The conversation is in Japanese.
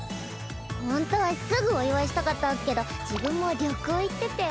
ほんとはすぐお祝いしたかったんスけど自分も旅行行ってて。